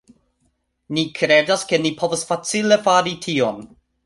Ni kredas, ke ni povas facile fari tion